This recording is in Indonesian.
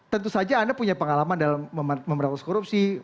tentu saja anda punya pengalaman dalam memberantas korupsi